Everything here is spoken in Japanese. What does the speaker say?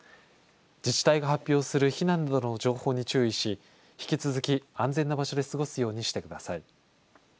自治体が発表する避難などの情報に注意し引き続き安全な場所で過ごすようにしてください。